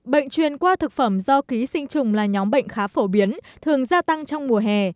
bệnh truyền qua thực phẩm do ký sinh trùng là nhóm bệnh khá phổ biến thường gia tăng trong mùa hè